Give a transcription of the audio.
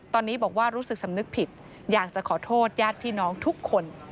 ตอนนี้บอกว่ารู้สึกสำนึกผิดอยากจะขอโทษญาติพี่น้องทุกคน